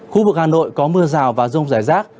khu vực hà nội có mưa rào và rông rải rác